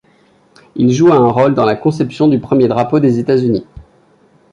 Il joua un rôle dans la conception du premier drapeau des États-Unis.